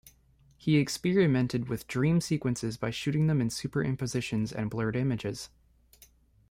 He experimented with dream sequences by shooting them in super impositions and blurred images.